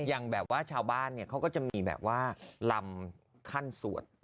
อย่างแบบว่าชาวบ้านเนี่ยเขาก็จะมีแบบว่าลำขั้นสวด